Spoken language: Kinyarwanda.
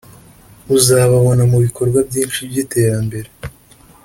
uzababona mu bikorwa byinshi by’iterambere